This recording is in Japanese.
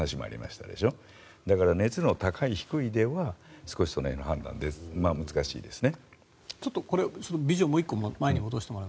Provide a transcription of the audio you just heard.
なので、熱の高い低いではその辺の判断は難しいですね。